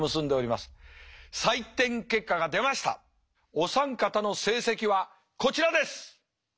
お三方の成績はこちらです。